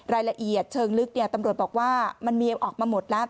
รายละเอียดเชิงลึกตำรวจบอกว่ามันมีออกมาหมดแล้ว